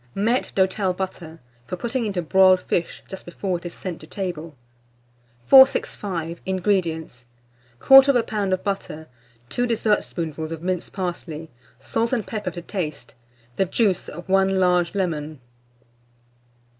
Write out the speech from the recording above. MAITRE D'HOTEL BUTTER, for putting into Broiled Fish just before it is sent to Table. 465. INGREDIENTS. 1/4 lb. of butter, 2 dessertspoonfuls of minced parsley, salt and pepper to taste, the juice of 1 large lemon.